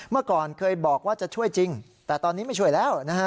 เมื่อก่อนเคยบอกว่าจะช่วยจริงแต่ตอนนี้ไม่ช่วยแล้วนะฮะ